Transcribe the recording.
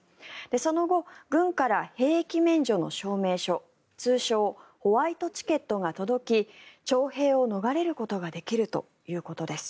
その後、軍から兵役免除の証明書通称・ホワイトチケットが届き徴兵を逃れることができるということです。